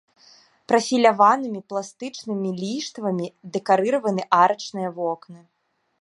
Прафіляванымі пластычнымі ліштвамі дэкарыраваны арачныя вокны.